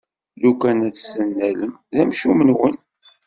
Lukan ad t-tennalem, d amcum-nwen!